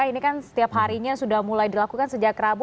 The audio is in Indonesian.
ini kan setiap harinya sudah mulai dilakukan sejak rabu